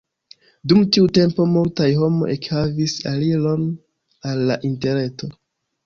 Dum tiu tempo multaj homoj ekhavis aliron al la interreto.